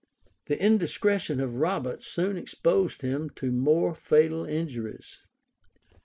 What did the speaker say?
The indiscretion of Robert soon exposed him to more fatal injuries.